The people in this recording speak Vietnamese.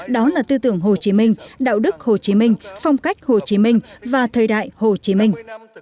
đó là tư tưởng hồ chí minh đạo đức hồ chí minh phong cách hồ chí minh và thời đại hồ chí minh